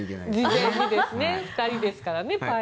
２人ですから。